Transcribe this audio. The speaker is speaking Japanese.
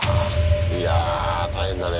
いや大変だね。